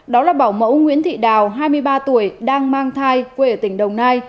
đó là bảo mẫu nguyễn thị đào hai mươi ba tuổi đang mang thai quê ở tỉnh đồng nai